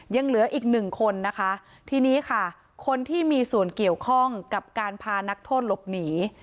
ยังเหลืออีกหนึ่งคนนะคะทีนี้ค่ะคนที่มีส่วนเกี่ยวข้องกับการพานักโทษหลบหนี